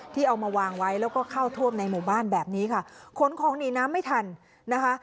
เอามาวางไว้แล้วก็เข้าท่วมในหมู่บ้านแบบนี้ค่ะขนของหนีน้ำไม่ทันนะคะ